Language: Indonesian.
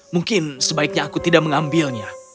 mungkin sebaiknya aku tidak mengambilnya